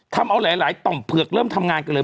ทำเอาหลายต่อมเผือกเริ่มทำงานกันเลย